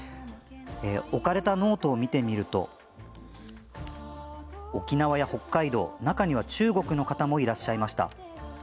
置かれたノートを見てみると沖縄や北海道、中には中国の方もいらっしゃいました。